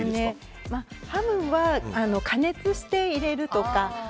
ハムは、加熱して入れるとか。